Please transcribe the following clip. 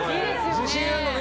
自信あるのね？